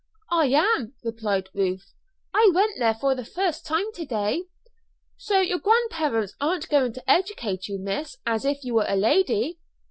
"I am," replied Ruth. "I went there for the first time to day." "So your grandparents are going to educate you, miss, as if you were a lady."